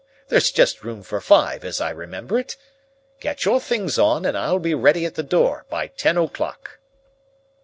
There's just room for five, as I remember it. Get your things on, and I'll be ready at the door by ten o'clock."